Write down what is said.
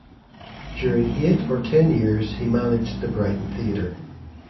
During eight or ten years he managed the Brighton Theatre.